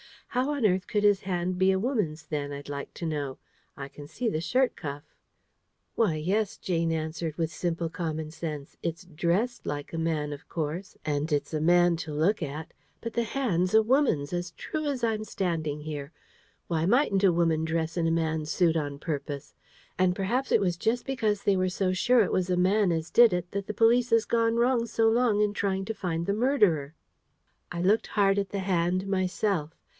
How on earth could his hand be a woman's then, I'd like to know? I can see the shirt cuff." "Why, yes," Jane answered, with simple common sense: "it's DRESSED like a man, of course, and it's a man to look at; but the hand's a woman's, as true as I'm standing here. Why mightn't a woman dress in a man's suit on purpose? And perhaps it was just because they were so sure it was a man as did it, that the police has gone wrong so long in trying to find the murderer." I looked hard at the hand myself.